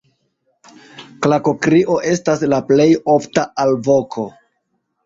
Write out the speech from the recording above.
Klakokrio estas la plej ofta alvoko.